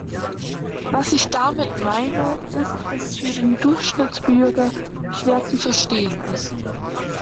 Was ich damit meine, ist, dass es für den Durchschnittsbürger schwer zu verstehen ist.